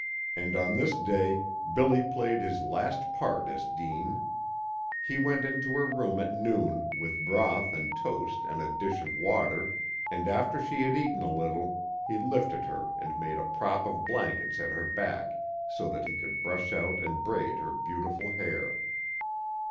And on this day Billy played his last part as Deane. He went into her room at noon with broth and toast and a dish of water, and after she had eaten a little he lifted her and made a prop of blankets at her back so that he could brush out and braid her beautiful hair.